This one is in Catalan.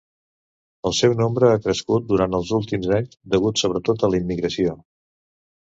El seu nombre ha crescut durant els últims anys degut sobretot a la immigració.